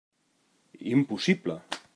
Impossible!